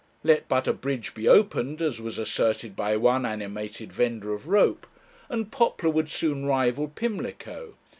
'Let but a bridge be opened,' as was asserted by one animated vendor of rope, 'and Poplar would soon rival Pimlico.